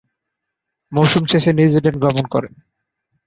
মৌসুম শেষে নিউজিল্যান্ড গমন করেন।